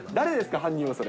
犯人は、それ。